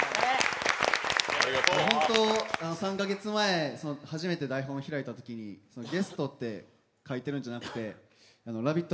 ３か月前、初めて台本を開いたときにゲストって書いてるんじゃなくてラヴィット！